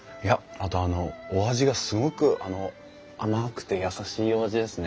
あとお味がすごく甘くて優しいお味ですね。